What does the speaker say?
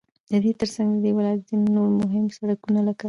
ددې ترڅنگ ددې ولايت ځينو نور مهم سړكونه لكه: